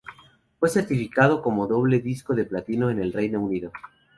Fue certificado como doble disco de platino en el Reino Unido.